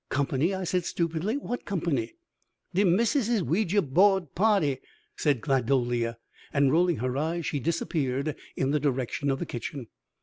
"Company?" I said stupidly. "What company?" "De Missus's Ouija boahrd pahrty," said Gladolia, and rolling her eyes she disappeared in the direction of the kitchen.